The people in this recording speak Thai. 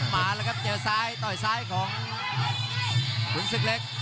มาแล้วครับเจอซ้ายต่อยซ้ายของขุนศึกเล็ก